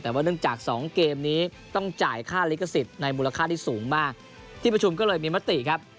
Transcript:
แต่ว่าเนื่องจากสองเกมนี้ต้องจ่ายค่าลิขสิทธิ์ในมูลค่าที่สูงมากที่ประชุมก็เลยมีมติครับ